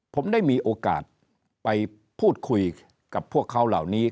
ผมได้มีโอกาสไปพูดคุยกับพวกเขาเหล่านี้